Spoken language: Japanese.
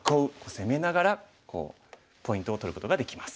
攻めながらこうポイントを取ることができます。